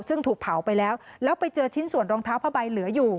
ซึ่งถูกเผาไปแล้วแล้วไปเจอชิ้นส่วนรองเท้าผ้าใบเหลืออยู่